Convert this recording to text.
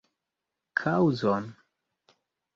Kaŭzon?